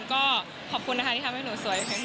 ก็ขอบคุณนะคะที่ทำให้หนูสวยขึ้น